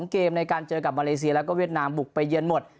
เกมในการเจอกับมาเลเซียแล้วก็เวียดนามบุกไปเยือนหมด